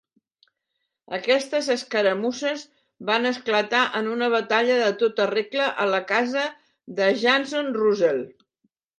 Aquestes escaramusses van esclatar en una batalla de tota regla a la casa de Jason Russell.